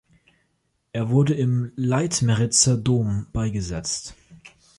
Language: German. Er wurde im Leitmeritzer Dom beigesetzt.